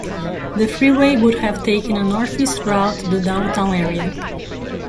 The freeway would have taken a northeast route to the downtown area.